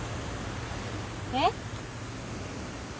えっ？